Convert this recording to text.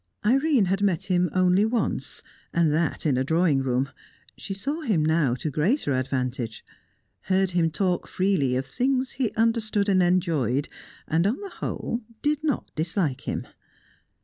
Irene had met him only once, and that in a drawing room; she saw him now to greater advantage, heard him talk freely of things he understood and enjoyed, and on the whole did not dislike him.